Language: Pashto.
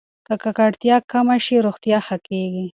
که ککړتیا کمه شي، روغتیا ښه کېږي.